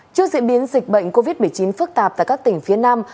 trước diễn biến dịch bệnh covid một mươi chín phức tạp tại các tỉnh phía nam